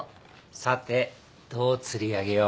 さてどう釣り上げよう。